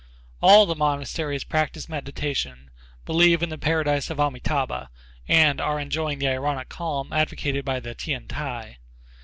All the monasteries practice meditation, believe in the paradise of Amitâbha, and are enjoying the ironic calm advocated by the T'ien T'ai.